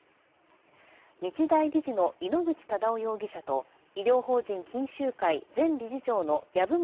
日大理事の井ノ口忠男容疑者と医療法人錦秀会の前理事長、籔本